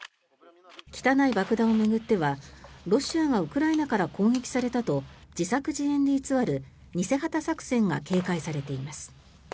汚い爆弾を巡ってはロシアがウクライナから攻撃されたと自作自演で偽る偽旗作戦が警戒されています。